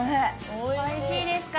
おいしいですか？